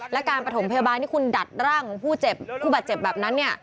และการประถมพยาบาลที่คุณดัดร่างของผู้เจ็บผู้บาดเจ็บแบบนั้นเนี่ย